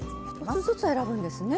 １つずつ選ぶんですね？